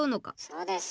そうです。